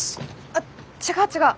あっ違う違う！